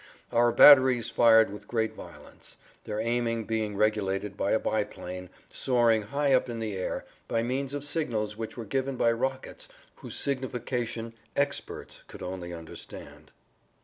Our batteries fired with great violence, their aiming being regulated by a biplane, soaring high up in the air, by means of signals which were given by rockets whose signification experts only could understand.